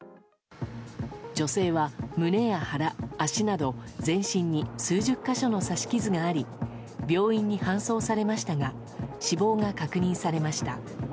女性は胸や腹、足など全身に数十か所の刺し傷があり病院に搬送されましたが死亡が確認されました。